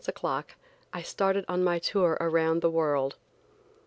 30 o'clock, I started on my tour around the world.